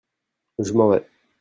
je m'en vais.